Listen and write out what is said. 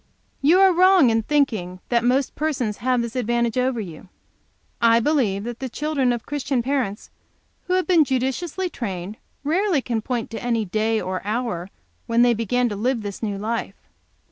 "You are wrong in thinking that most persons have this advantage over you. I believe that the children of Christian parents, who have been judiciously trained, rarely can point to any day or hour when they began to live this new life.